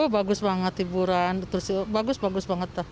bagus banget hiburan terus bagus bagus banget